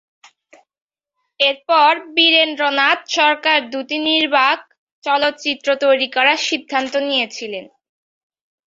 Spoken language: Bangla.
এরপর, বীরেন্দ্রনাথ সরকার দুটি নির্বাক চলচ্চিত্র তৈরি করার সিদ্ধান্ত নিয়েছিলেন।